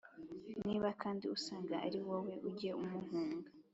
Niba kandi usanga ari wowe ujya umuhunga